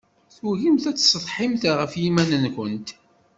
Tugimt ad tsetḥimt ɣef yiman-nkent.